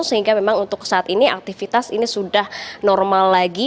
sehingga memang untuk saat ini aktivitas ini sudah normal lagi